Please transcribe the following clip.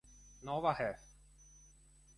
Nova ehf.